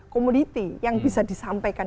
komoditi yang bisa disampaikan